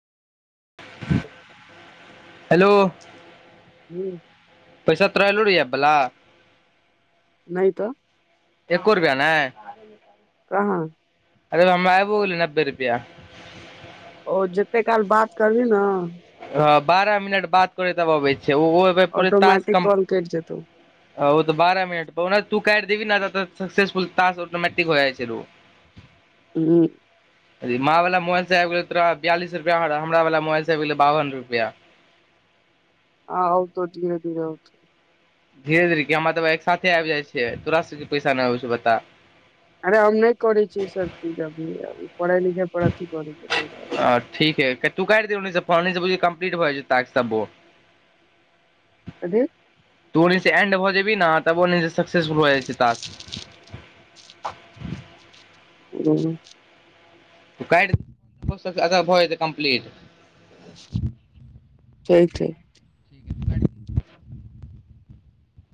[inaudible] hello हुँ पैसा तोरा एलौ रे एप बला नय तऽ एको रुपैया नय कहाँ अरे हमरा आइबो गेलै नब्बे रुपया ओ जेते काल बात करबिही न हँ बारह मिनट बात करै हय तब अबै छै ओहो ऑटोमेटिक कॉल कटि जेतौ ओ तऽ बारह मिनट पर ओनाहितो तू काटि देबही न तऽ सकसेसफुल टास्क ऑटोमेटिक हो जाइ छै रौ [inaudible] हुँ अथी माँ वला मोबइल से आबि गेलौ तोरा बियालिस रुपया आ हमरा वला मोबाइल से आबि गेलौ बावन रुपया आ औतौ धीरे धीरे औतौ धीरे धीरे की हमरा तऽ बुझाइ एक साथे आबि जाइ छै तोरा सबके पैसा नय अबै छौ बता अरे हम नय करै छियै ई सब चीज अभी पढ़इ लिखै पर अथी करै छियै तै दुआरे हँ ठीक हय तू काटि दिही ओनी स फोन कम्प्लीट भऽ जेतै टास्क सबो [inaudible] कथी तू ओनी से एंड भऽ जेबही न तब ओनी से सकसेस फुल भ जाइ छै टास्क [inaudible] [unintelligible] ह [unintelligible] कैट [inaudible] भ जेतै कम्प्लीट [unintelligible] छै ठीके